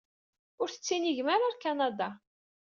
Ur tettinigem ara ɣer Kanada.